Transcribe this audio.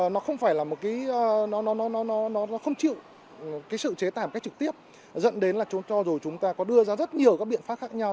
nó không chịu cái sự chế tảm cách trực tiếp dẫn đến là cho dù chúng ta có đưa ra rất nhiều các biện pháp khác nhau